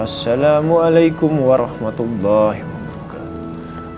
assalamualaikum warahmatullahi wabarakatuh